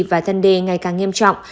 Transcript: và thân đê ngày càng nghiêm trọng